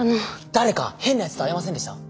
誰か変なやつと会いませんでした？